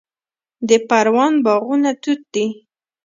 د پروان باغونه توت دي